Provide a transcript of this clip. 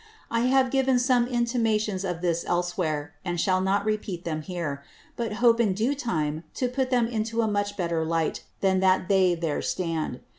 I have given some intimations of this elsewhere, and shall not repeat them here, but hope in due time to put them into a much better Light than that they there stand in.